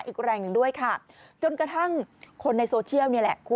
อีกแรงหนึ่งด้วยค่ะจนกระทั่งคนในโซเชียลนี่แหละ